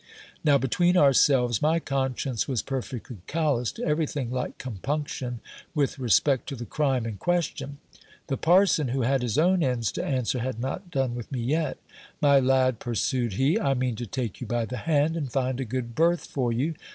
Now, between ourselves, my conscience was perfectly callous to everything like compunction with respect to the crime in question. The parson, who had his own ends to answer, had not done with me yet. My lad, pursued he, I mean to take you by the hand, and find a good berth for you.